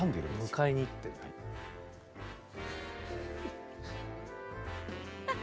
迎えに行ってんだ。